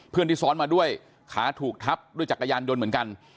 เพื่อนที่ซ้อนมาด้วยขาถูกทับด้วยจักรยานยนต์เหมือนกัน